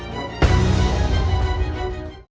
โปรดติดตามตอนต่อไป